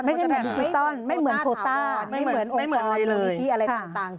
ไม่เหมือนดิจิตอลไม่เหมือนโทรต้าไม่เหมือนโอปอลมีที่อะไรต่าง